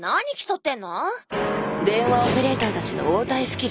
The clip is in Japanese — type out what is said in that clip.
電話オペレーターたちの応対スキル